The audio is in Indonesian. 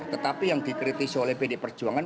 tetapi yang dikritisi oleh pd perjuangan